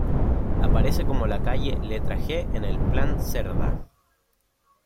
Aparece como la calle letra G en el Plan Cerdá.